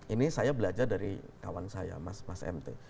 ini saya belajar dari kawan saya mas mt